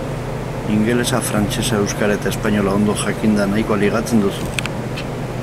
Ingelesa, frantsesa, euskara eta espainola ondo jakinda nahikoa ligatzen duzu?